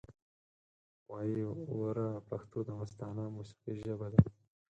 وایې وره پښتو دمستانه موسیقۍ ژبه ده